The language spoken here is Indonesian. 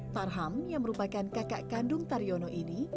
tarham yang merupakan kakak kandung taryono ini